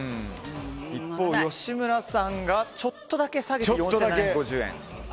一方、吉村さんがちょっとだけ下げて４７５０円。